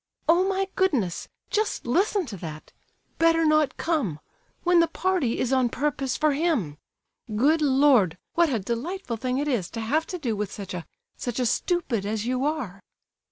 "Oh, my goodness! Just listen to that! 'Better not come,' when the party is on purpose for him! Good Lord! What a delightful thing it is to have to do with such a—such a stupid as you are!"